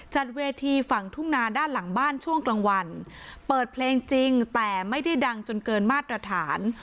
จัดเวทีฝั่งทุ่งนาด้านหลังบ้านช่วงกลางวันเปิดเพลงจริงแต่ไม่ได้ดังจนเกินมาตรฐาน